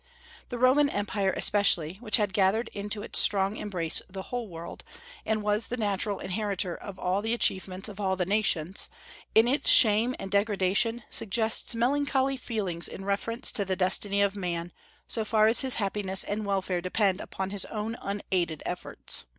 The Roman empire especially, which had gathered into its strong embrace the whole world, and was the natural inheritor of all the achievements of all the nations, in its shame and degradation suggests melancholy feelings in reference to the destiny of man, so far as his happiness and welfare depend upon his own unaided efforts.